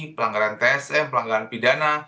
pelanggaran tsm pelanggaran pidana